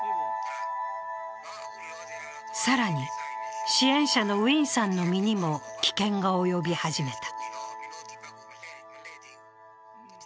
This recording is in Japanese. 更に、支援者のウィンさんの身にも危険が及び始めた。